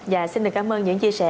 dạ xin được cảm ơn những chia sẻ